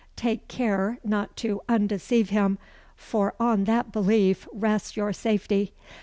Take care not to undeceive him, for on that belief rests your safety.